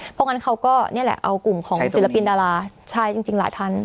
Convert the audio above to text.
เพราะงั้นเขาก็นี่แหละเอากลุ่มของศิลปินดาราใช่จริงหลายท่าน